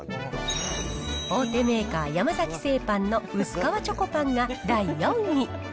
大手メーカー、山崎製パンの薄皮チョコパンが第４位。